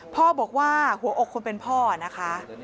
พ่อบอกว่าหัวอกคนเป็นพ่อนะคะ